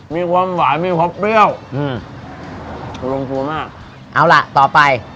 มีความหวานมีความเปรี้ยวอืมลงตัวมากเอาล่ะต่อไป